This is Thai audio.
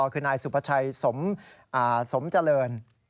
คือนายสุภาชัยสมเจริญ